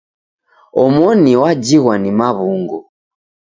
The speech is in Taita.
Omoni wajighwa ni maw'ungo.